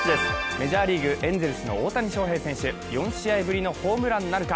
メジャーリーグ、エンゼルスの大谷翔平選手、４試合ぶりのホームランなるか？